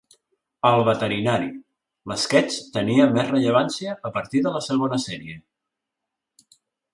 El "Veterinari". L"esquetx tenia més rellevància a partir de la segona sèrie.